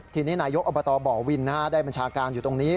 ทีนี้นายกอบตบ่อวินได้บัญชาการอยู่ตรงนี้